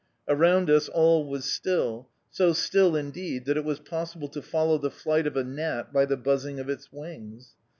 Around us all was still, so still, indeed, that it was possible to follow the flight of a gnat by the buzzing of its wings.